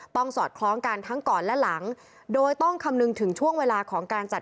สอดคล้องกันทั้งก่อนและหลังโดยต้องคำนึงถึงช่วงเวลาของการจัด